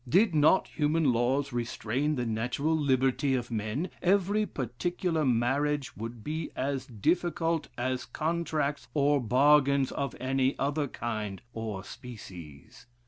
Did not human laws restrain the natural liberty of men, every particular marriage would be as different as contracts or bargains of any other kind or species.